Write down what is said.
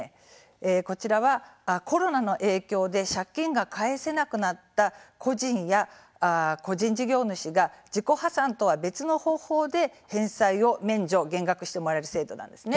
こちらはコロナの影響で借金が返せなくなった個人や個人事業主が自己破産とは別の方法で返済を免除減額してもらえる制度です。